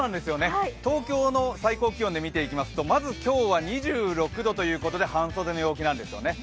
東京の最高気温で見ていきますと、まず今日は２６度ということで半袖の陽気なんですよね。